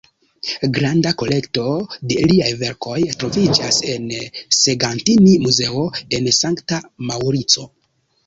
Granda kolekto de liaj verkoj troviĝas en Segantini-muzeo en Sankta Maŭrico.